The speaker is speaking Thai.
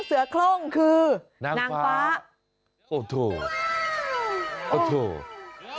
เสื้อควมเสื้อควม